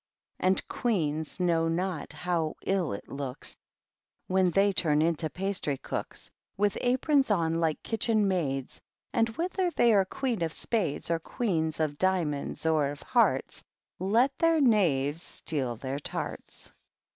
And Queens know not how ill it looks When they turn into pastry cooks. With aprons on like kitchen maids; And whether they are Queens of Spades Or Queens of Diamonds, or of Hearts, Let their knaves steal their tarts.